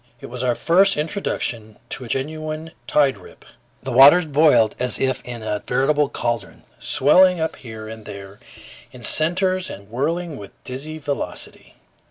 It was our first introduction to a genuine tide rip. The waters boiled as if in a veritable caldron, swelling up here and there in centers and whirling with dizzy velocity.